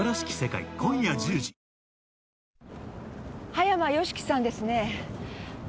葉山芳樹さんですね？